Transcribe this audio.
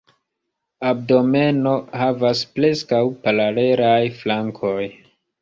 Abdomeno havas preskaŭ paralelaj flankoj.